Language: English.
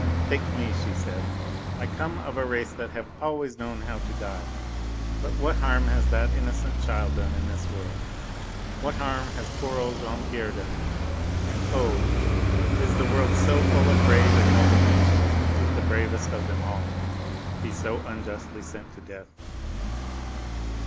"Take me!" she said. "I come of a race that have always known how to die! But what harm has that innocent child done in this world? What harm has poor old Jean Pierre done, and, oh ... is the world so full of brave and noble men that the bravest of them all be so unjustly sent to death?"